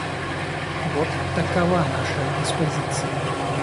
Вот такова наша диспозиция.